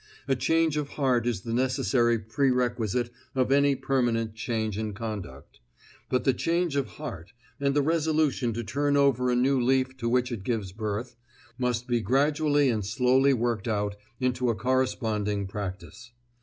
A change of heart is the necessary pre requisite of any permanent change in conduct; but the change of heart, and the resolution to turn over a new leaf to which it gives birth, must be gradually and slowly worked out into a corresponding practice.